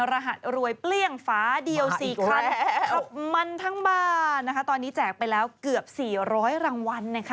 รหัสรวยเปลี่ยงฟ้าเดียวสี่คันขับมันทั้งบ้านตอนนี้แจกไปแล้วเกือบ๔๐๐รางวัล